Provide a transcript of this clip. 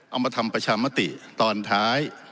เอามาทำประชามติตอนท้าย